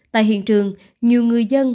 tại hiện trường nhiều người dân